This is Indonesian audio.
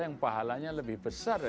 yang pahalanya lebih besar